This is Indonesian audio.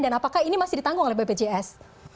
dan apakah ini masih ditanggung oleh bpjs